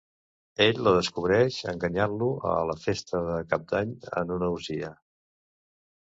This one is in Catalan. Ell la descobreix enganyant-lo a la festa de cap d'any en una orgia.